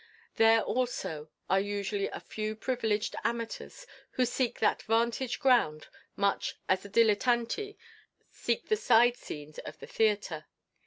There also are usually a few privileged amateurs who seek that vantage ground much as the dilettanti seek the side scenes of the theatre.